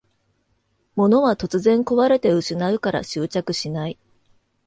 物は突然こわれて失うから執着しない